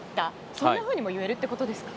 そんなふうにも言えるってことですか？